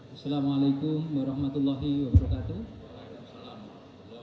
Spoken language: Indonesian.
assalamualaikum warahmatullahi wabarakatuh